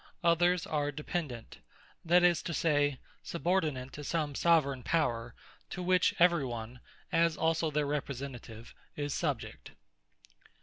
Others are Dependent; that is to say, Subordinate to some Soveraign Power, to which every one, as also their Representative is Subject.